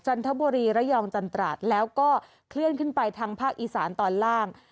ทบุรีระยองจันตราดแล้วก็เคลื่อนขึ้นไปทางภาคอีสานตอนล่าง